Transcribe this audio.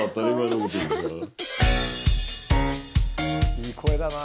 いい声だな。